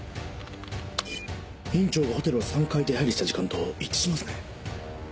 院長がホテルを３回出入りした時間と一致しますね。